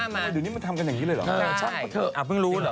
มันนานแล้ว